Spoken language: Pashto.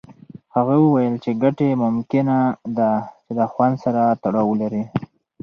هغه وویل چې ګټې ممکنه ده چې د خوند سره تړاو ولري.